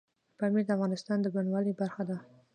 پامیر د افغانستان د بڼوالۍ برخه ده.